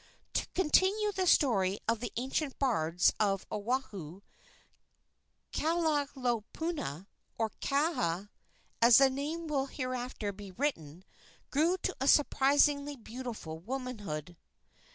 To continue the story of the ancient bards of Oahu, Kahalaopuna or Kaha, as the name will hereafter be written grew to a surpassingly beautiful womanhood.